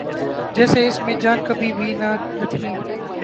جیسے اس میں جان کبھی بھی نہ تھی۔